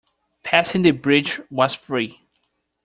Passing the bridge was free.